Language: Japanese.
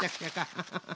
ハハハハ。